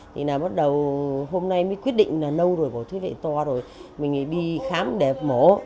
thì bắt đầu hôm nay mới quyết định là nâu rồi bỏ thiết lệ to rồi mình đi khám để mổ